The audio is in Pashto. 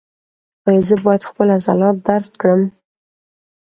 ایا زه باید خپل عضلات درد کړم؟